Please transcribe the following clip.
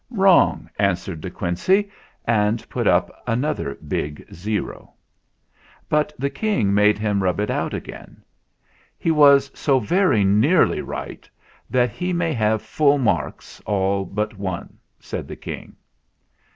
"Wrong," answered De Quincey, and put up another big O. But the King made him rub it out again. "He was so very nearly right, that he may have full marks all but one," said the King.